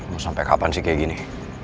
mau sampai kapan sih kayak gini